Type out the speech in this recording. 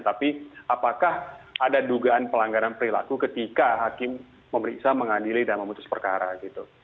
tapi apakah ada dugaan pelanggaran perilaku ketika hakim memeriksa mengadili dan memutus perkara gitu